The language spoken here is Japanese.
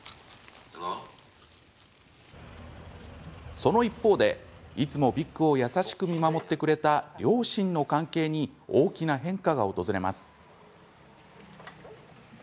その一方で、いつもビックを優しく見守ってくれた両親の関係に大きな変化が訪れます。